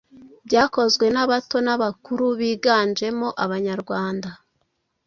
byakozwe n'abato n'abakuru biganjemo Abanyarwanda –